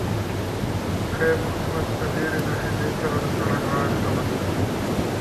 خیر محمد په ډېرې ناهیلۍ سره د سړک غاړې ته ودرېد.